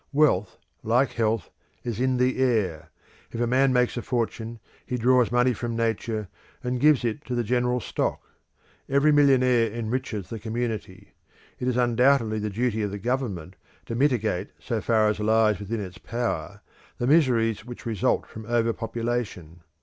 Wealth, like health, is in the air; if a man makes a fortune he draws money from Nature and gives it to the general stock. Every millionaire enriches the community. It is undoubtedly the duty of the government to mitigate so far as lies within its power, the miseries which result from overpopulation.